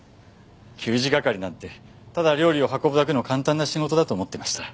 給仕係なんてただ料理を運ぶだけの簡単な仕事だと思っていました。